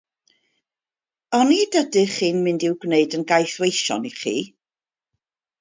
Onid ydych chi'n mynd i'w gwneud yn gaethweision i chi?